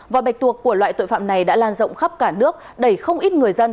và bạch tuộc của loại tội phạm này đã lan rộng khắp cả nước đẩy không ít người dân